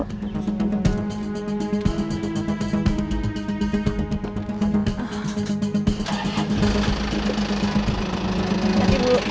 aku pulang ya